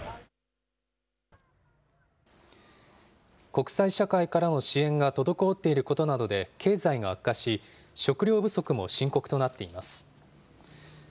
国際社会からの支援が滞っていることなどで経済が悪化し、食料不足も深刻となっています。